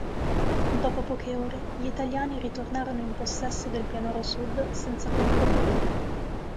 Dopo poche ore gli italiani ritornano in possesso del pianoro sud senza colpo ferire.